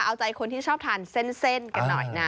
เอาใจคนที่ชอบทานเส้นกันหน่อยนะ